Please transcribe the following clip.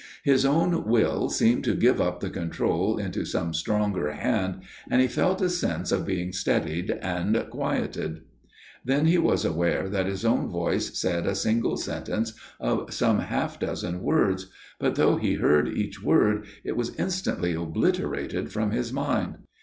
His own will seemed to give up the control into some stronger hand, and he felt a sense of being steadied and quieted. "Then he was aware that his own voice said a single sentence of some half dozen words; but though he heard each word, it was instantly obliterated from his mind.